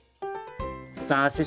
さあ師匠